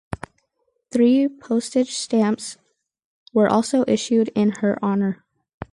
Three postage stamps were also issued in her honour.